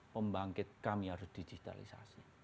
pembangkit kami harus digitalisasi